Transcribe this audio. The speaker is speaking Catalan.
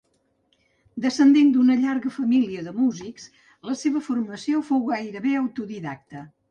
Descendent d'una llarga família de músics, la seva formació fou gairebé autodidacta.